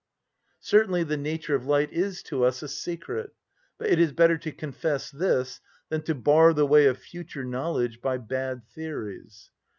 _ Certainly the nature of light is to us a secret; but it is better to confess this than to bar the way of future knowledge by bad theories.